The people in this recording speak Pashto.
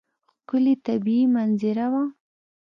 ښکلې طبیعي منظره وه.